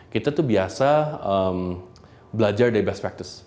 kita tuh biasa belajar dari best practice